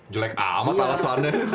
jelek amat alasannya